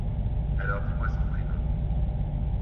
Alors dis-moi son prénom.